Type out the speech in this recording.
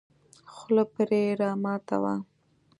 خوله پرې راماته وه.